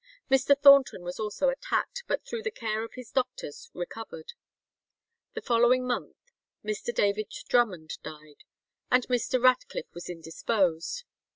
Mr. Thornton was also attacked, but through the care of his doctors recovered. The following month Mr. David Drummond died, and Mr. Ratcliffe was indisposed.